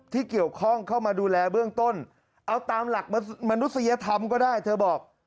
ที่เกี่ยวข้องเข้ามาดูแลเบื้องต้นเอาตามหลักมนุษยธรรมก็ได้เธอบอก